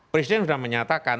presiden sudah menyatakan